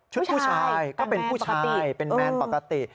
ผู้ชายก็เป็นผู้ชายเป็นแมนปกติ